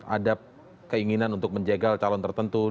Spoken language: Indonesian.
ada keinginan untuk menjegal calon tertentu